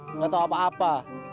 nggak tahu apa apa